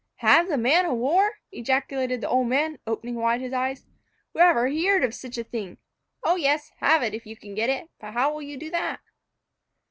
"Have the man o' war!" ejaculated the old man, opening wide his eyes, "who ever heered of sich a thing? O yes, have it, if you can get it; but how will you do that?"